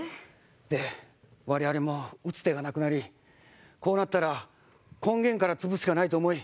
で我々も打つ手がなくなりこうなったら根源から潰すしかないと思い